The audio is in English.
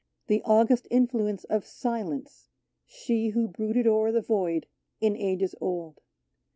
The august influence of Silence, she Who brooded o'er the void in ages old.